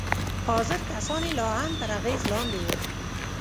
حاضر کسان يې لا هم تر اغېز لاندې وو.